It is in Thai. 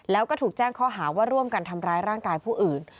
แล้วก็ถูกแจ้งข้อหาว่าร่วมกันทำร้ายร่างกายผู้อื่น